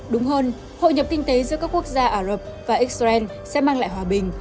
đúng hơn hội nhập kinh tế giữa các quốc gia ả rập và xrn sẽ mang lại hòa bình